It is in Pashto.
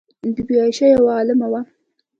بی بي عایشه یوه عالمه وه.